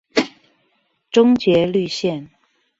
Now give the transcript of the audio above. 中捷綠線